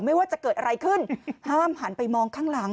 ไม่ว่าจะเกิดอะไรขึ้นห้ามหันไปมองข้างหลัง